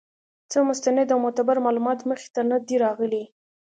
څۀ مستند او معتبر معلومات مخې ته نۀ دي راغلي